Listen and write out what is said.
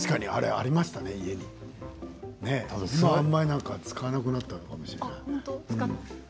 あまり使わなくなったかもしれない。